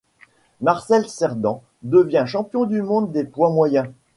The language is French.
Marcel Cerdan devient champion du monde des poids moyens.